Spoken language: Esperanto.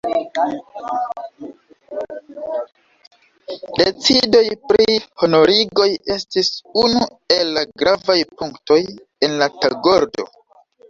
Decidoj pri honorigoj estis unu el la gravaj punktoj en la tagordo.